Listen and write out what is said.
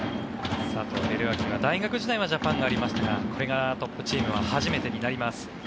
佐藤輝明は大学時代はジャパンがありましたがこれがトップチームは初めてになります。